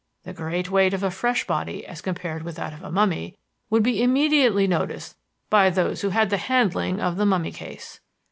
The great weight of a fresh body as compared with that of a mummy would be immediately noticed by those who had the handling of the mummy case.